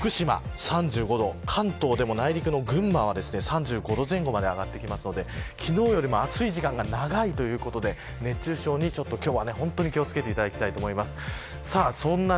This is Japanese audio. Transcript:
特に福島、３５度関東でも内陸の群馬は３５度前後まで上がってきますので昨日よりも暑い時間が長いということで熱中症に今日は本当に気を付けていただきたいと思います。